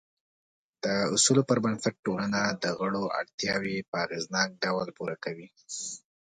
د اصولو پر بنسټ ټولنه د غړو اړتیاوې په اغېزناک ډول پوره کوي.